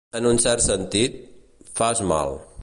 En un cert sentit, fas mal.